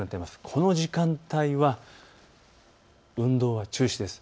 この時間帯は運動は中止です。